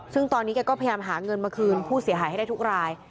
ซึ่งตอนนี้แกก็พยายามหาเงินมาคืนผู้เสียหายให้ได้ทุกราย